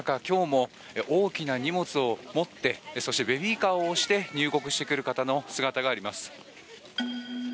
今日も大きな荷物を持ってそしてベビーカーを押して入国してくる人の姿があります。